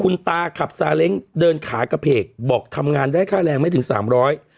คุณตาขับซาเล้งเดินขากระเพกบอกทำงานได้ค่าแรงไม่ถึงสามร้อย